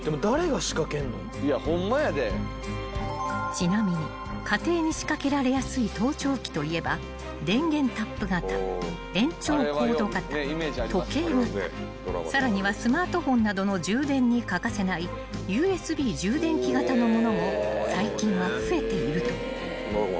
［ちなみに家庭に仕掛けられやすい盗聴器といえば電源タップ型延長コード型時計型さらにはスマートフォンなどの充電に欠かせないＵＳＢ充電器型の物も最近は増えているという］